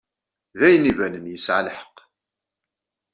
D ayen ibanen yesɛa lḥeqq.